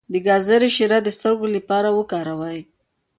د ګازرې شیره د سترګو لپاره وکاروئ